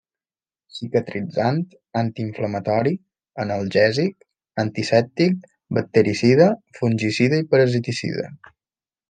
Cicatritzant, antiinflamatori, analgèsic, antisèptic, bactericida, fungicida i parasiticida.